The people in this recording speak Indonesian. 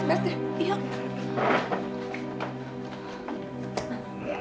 kita bayarin kemana